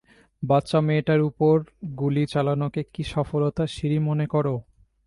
বাচ্চা মেয়েটার উপর গুলি চালানোকে কি সফলতার সিঁড়ি মনে করো?